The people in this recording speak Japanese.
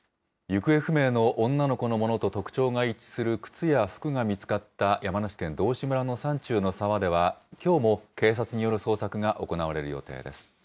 行方不明の女の子のものと特徴が一致する靴や服が見つかった山梨県道志村の山中の沢では、きょうも警察による捜索が行われる予定です。